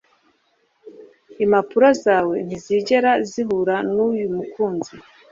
Impapuro zawe ntizigera zihura nuyu mukunzi